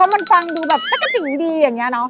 มันฟังดูแบบสักกระจิงดีอย่างเงี้ยเนอะ